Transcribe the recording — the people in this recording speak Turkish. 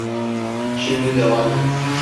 Şimdi devam et.